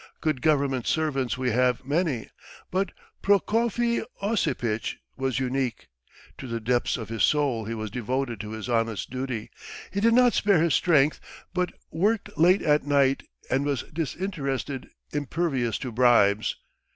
Good government servants we have many, but Prokofy Osipitch was unique. To the depths of his soul he was devoted to his honest duty; he did not spare his strength but worked late at night, and was disinterested, impervious to bribes.